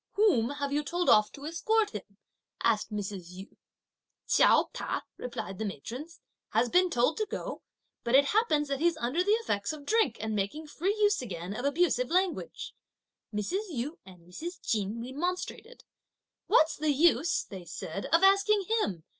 "Whom have you told off to escort him?" asked Mrs. Yu. "Chiao Ta," replied the matrons, "has been told to go, but it happens that he's under the effects of drink and making free use again of abusive language." Mrs. Yu and Mrs. Chin remonstrated. "What's the use," they said, "of asking him?